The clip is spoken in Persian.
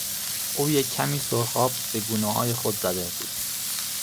او یک کمی سرخاب به گونههای خود زده بود.